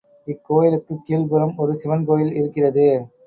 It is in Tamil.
இக்கோயிலுக்குப் கீழ்புறம் ஒரு சிவன் கோயில் இருக்கிறது.